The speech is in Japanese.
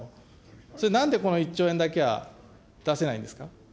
それ、なんでこの１兆円だけは出せないんですか。